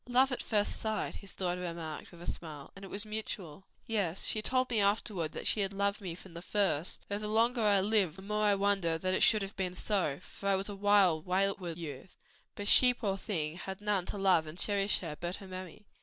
"Love at first sight," his daughter remarked, with a smile, "and it was mutual." "Yes she told me afterward that she had loved me from the first; though the longer I live the more I wonder it should have been so, for I was a wild, wayward youth. But she, poor thing, had none to love or cherish her but her mammy."